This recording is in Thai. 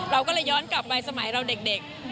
เราก็เลยย้อนกลับไปสมัยเราเด็ก